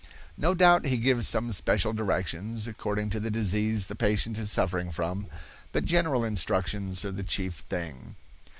No doubt he gives some special directions, according to the disease the patient is suffering from, but general instructions are the chief thing.